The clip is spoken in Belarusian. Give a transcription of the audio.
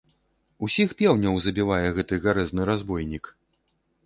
Усіх пеўняў забівае гэты гарэзны разбойнік.